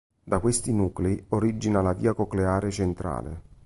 Da questi nuclei origina la via cocleare centrale.